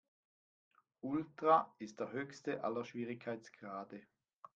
Ultra ist der höchste aller Schwierigkeitsgrade.